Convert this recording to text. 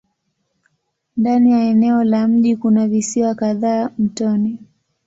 Ndani ya eneo la mji kuna visiwa kadhaa mtoni.